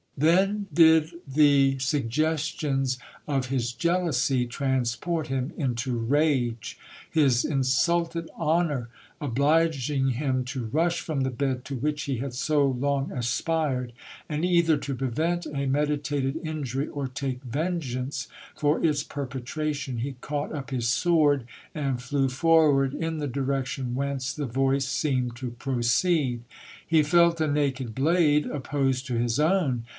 Then did the suggestions of his jealousy transport him into rage. His insulted honour oblig ing him to rush from the bed to which he had so long aspired, and either to prevent a meditated injury, or take vengeance for its perpetration, he caught up his sword and flew forward in the direction whence the voice seemed to proceed. He felt a naked blade opposed to his own.